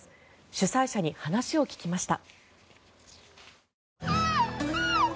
主催者に話を聞きました。